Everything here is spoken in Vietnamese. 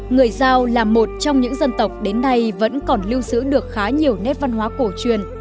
người giao là một trong những dân tộc đến nay vẫn còn lưu giữ được khá nhiều nét văn hóa cổ truyền